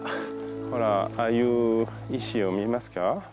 ほらああいう石を見えますか。